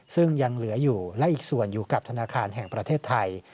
ซึ่งยังเหลืออยู่และอีกส่วนอยู่กับธนาคารแห่งประเทศไทย